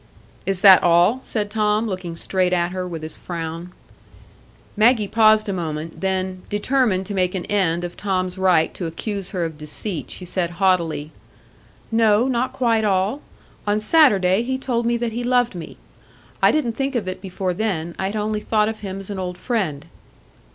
"Is that all?" said Tom, looking straight at her with his frown. Maggie paused a moment; then, determined to make an end of Tom's right to accuse her of deceit, she said haughtily: "No, not quite all. On Saturday he told me that he loved me. I didn't think of it before then; I had only thought of him as an old friend."